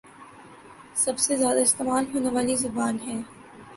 سب سے زیادہ استعمال ہونے والی زبان ہے